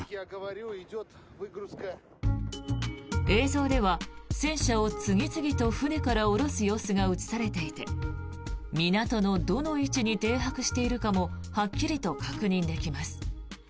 映像では戦車を次々と船から下ろす様子が映されていて港のどの位置に停泊しているかもはっきりと確認できます。